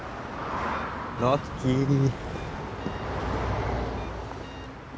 ラッキー。